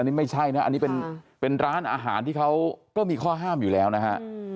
นี่ไม่ใช่นะอันนี้เป็นร้านอาหารที่เขาก็มีข้อห้ามอยู่แล้วนะฮะ